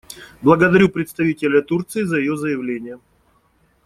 Благодарю представителя Турции за ее заявление.